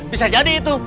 bisa jadi itu